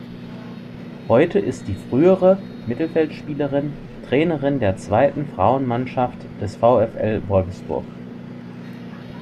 Heute ist die frühere Mittelfeldspielerin Trainerin der zweiten Frauenmannschaft des VfL Wolfsburg.